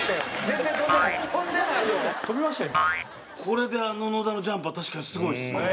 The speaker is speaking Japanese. これであの野田のジャンプは確かにすごいですね。